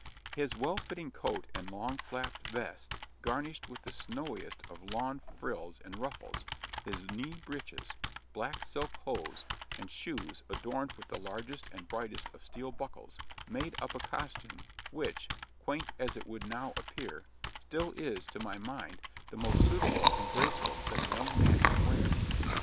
His well fitting coat and long flapped vest, garnished with the snowiest of lawn frills and ruffles; his knee breeches, black silk hose, and shoes adorned with the largest and brightest of steel buckles, made up a costume, which, quaint as it would now appear, still is, to my mind, the most suitable and graceful that a young man can wear.